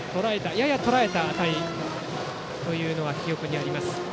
ややとらえた当たりというのが記憶にあります。